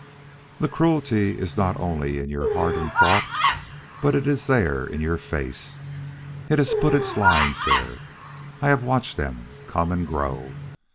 The cruelty is not only in your heart and thoughts, but it is there in face. It has put its lines there. I have watched them come and grow.